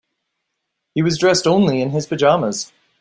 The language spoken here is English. He was dressed only in his pajamas.